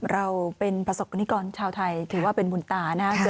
เราเป็นประสบกรณิกรชาวไทยถือว่าเป็นบุญตานะครับ